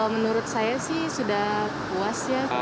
menurut saya sih sudah puas ya